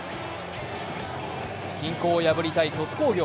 均衡を破りたい鳥栖工業。